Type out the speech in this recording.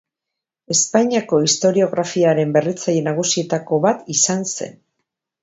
Espainiako historiografiaren berritzaile nagusietako bat izan zen.